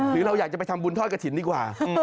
หรือเราอยากจะไปทำบุญทอดกระถิ่นดีกว่า